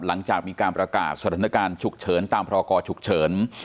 หลังจากมีการประกาศสถานการณ์ฉุกเฉินตามพรกรฉุกเฉิน